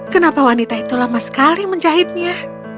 kenapa wanita itu lama sekali menjahitnya